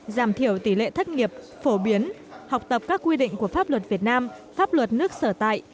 giảm thiểu tỷ lệ thất nghiệp phổ biến học tập các quy định của pháp luật việt nam pháp luật nước sở tại